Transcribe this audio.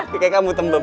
kayak kamu tembem